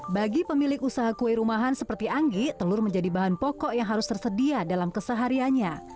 bagi pemilik usaha kue rumahan seperti anggi telur menjadi bahan pokok yang harus tersedia dalam kesehariannya